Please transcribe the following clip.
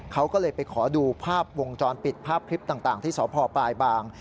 เขาก็เลยไปขอดูภาพวงจรปิดภาพคลิปต่างที่สพปลายบาง